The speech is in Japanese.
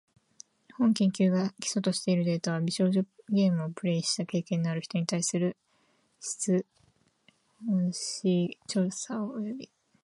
本研究が基礎としているデータは、美少女ゲームをプレイした経験のある人に対する質問紙調査およびインタビュー調査である。